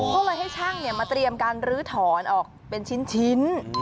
ก็เลยให้ช่างมาเตรียมการลื้อถอนออกเป็นชิ้น